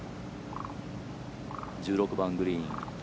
１６番グリーン。